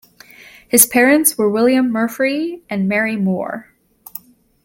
His parents were William Murfree and Mary Moore.